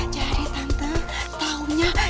jadi tante taunya